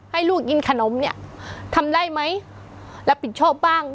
ให้ลูกกินขนมเนี่ยทำได้ไหมรับผิดชอบบ้าง